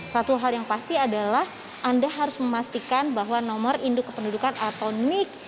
satu hal yang pasti adalah anda harus memastikan bahwa nomor induk kependudukan atau nic